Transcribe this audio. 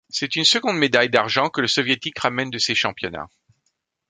C'est une seconde médaille d'argent que le Soviétique ramène de ces championnats.